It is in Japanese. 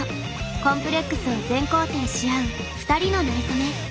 コンプレックスを全肯定し合う２人のなれそめ。